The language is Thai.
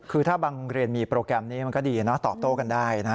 คือถ้าบางเรียนมีโปรแกรมนี้มันก็ดีนะตอบโต้กันได้นะ